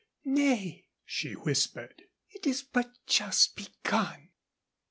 "Nay," she whispered. "It is but just begun."